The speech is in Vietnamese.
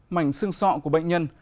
mảnh xương sọ của bệnh nhân